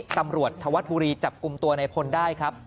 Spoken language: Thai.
ตำรวจธวัดบุรีจับกลุ่มตัวในพลได้ครับ